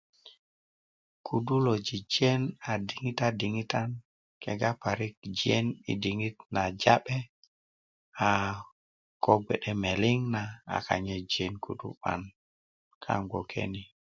kudu lo jöjön a diŋitan diŋitan kega parik yi jön yi diŋit na ka'be aa ko gbe'de meliŋ na a gbe'de a jön kaaŋ yi gboke ni